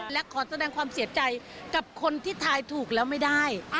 และขอแสดงความเสียใจกับคนที่ทายถูกแล้วไม่ได้